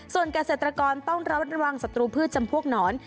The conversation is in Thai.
ส่วนเกษตรกรต้องระมัดระวังศัตรูพืชจำพวกหนอน